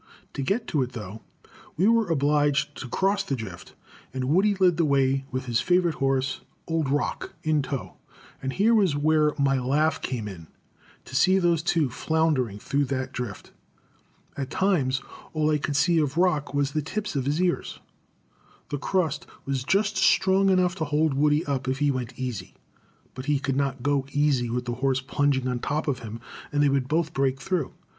To get to it, though, we were obliged to cross the drift, and Woody led the way with his favorite horse, old Rock, in tow; and here was where my laugh came in, to see those two floundering through that drift. At times, all I could see of Rock was the tips of his ears. The crust was just strong enough to hold Woody up if he went "easy," but he could not go easy with the horse plunging on top of him, and they would both break through.